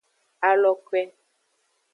Alokwe.